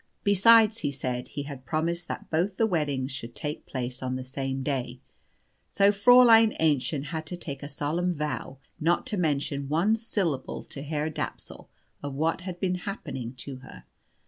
Besides, he said, he had promised that both the weddings should take place on the same day. So Fräulein Aennchen had to take a solemn vow not to mention one syllable to Herr Dapsul of what had been happening to her.